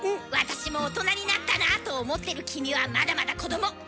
私も大人になったなあと思ってる君はまだまだ子ども！